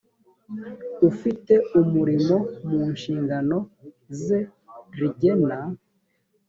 ufite umurimo mu nshingano ze rigena